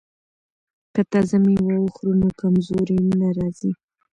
که تازه میوه وخورو نو کمزوري نه راځي.